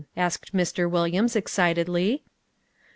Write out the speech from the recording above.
asked Mr. Williams excitedly.